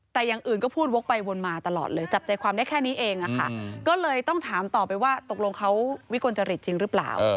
แต่อย่างอื่นก็พูดวกไปวนมาตลอดเลยจับใจความได้แค่นี้เองก็เลยต้องถามต่อไปว่าตกลงเขาวิกลจริตจริงหรือเปล่า